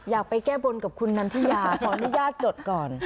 ไปแก้บนกับคุณนันทิยาขออนุญาตจดก่อน